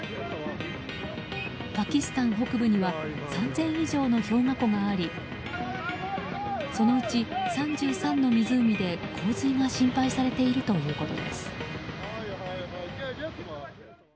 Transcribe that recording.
パキスタン北部には３０００以上の氷河湖がありそのうち３３の湖で洪水が心配されているということです。